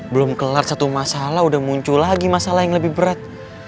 belum kelar satu masalah udah muncul lagi masalah yang lebih berat